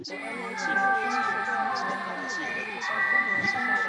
伦敦是世界顶尖的旅游都市之一。